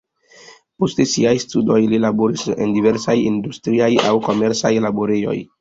Post siaj studoj li laboris en diversaj industriaj aŭ komercaj laborejoj.